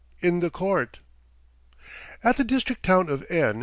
IN THE COURT AT the district town of N.